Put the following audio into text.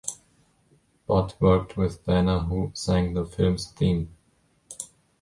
Budd worked with Dana who sang the film's theme.